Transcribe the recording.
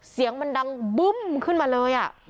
เสียงมันดังบึ้มขึ้นมาเลย